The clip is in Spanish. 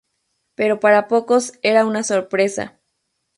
Pero para pocos era una sorpresa.